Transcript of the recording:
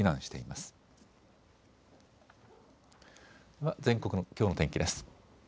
では全国のきょうの天気です。